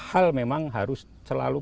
hal memang harus selalu